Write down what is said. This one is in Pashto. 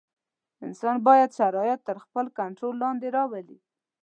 انسان باید شرایط تر خپل کنټرول لاندې راولي.